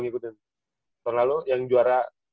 ngikutin tahun lalu yang juara